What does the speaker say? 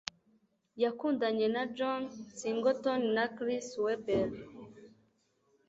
Yakundanye na John Singleton na Chris Webber.